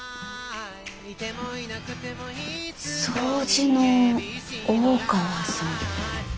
掃除の大川さん。